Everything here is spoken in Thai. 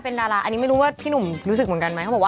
นี่อืม